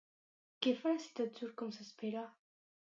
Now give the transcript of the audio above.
Què farà si tot surt com s'espera?